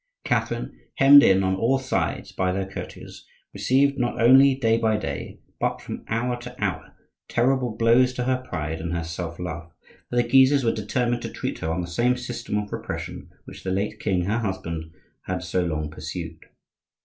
Catherine, hemmed in on all sides by their courtiers, received, not only day by day but from hour to hour, terrible blows to her pride and her self love; for the Guises were determined to treat her on the same system of repression which the late king, her husband, had so long pursued.